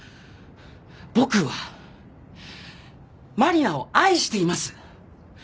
僕は麻里奈を愛しています！